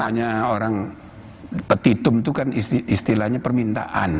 misalnya orang petitum itu kan istilahnya permintaan